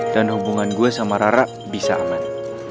dan hubungan gua sama rara bisa aman